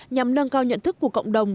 nhằm nâng cao nhận thức của cộng đồng